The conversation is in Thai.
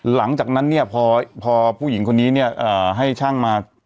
หลังจากนั้นเนี่ยพอผู้หญิงคนนี้เนี่ยให้ช่างมา